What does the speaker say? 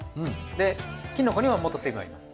できのこにももっと水分あります。